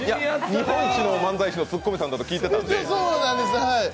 日本一の漫才師のツッコミさんだと聞いてたんで。